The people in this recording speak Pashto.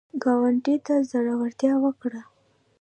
ګاونډي ته زړورتیا ورکړه